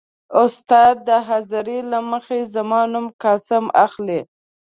. استاد د حاضرۍ له مخې زما نوم «قاسم» اخلي.